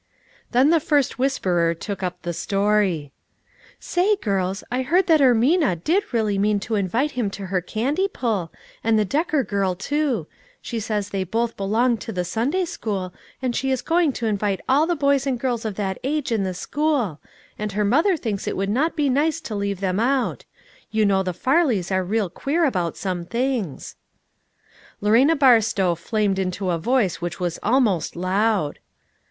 Then the first whisperer took up the story :" Say, girls, I heard that Ermina did really mean to invite him to her candy pull, and the THE NEW ENTEEPBISE. 369 Decker girl too ; she says they both belong to the Sunday school, and she is going to invite all the boys and girls of that age in the school, and her mother thinks it would not be nice to leave them out. You know the Parleys are real queer about some things." Lorena Barstow flamed into a voice which was almost loud.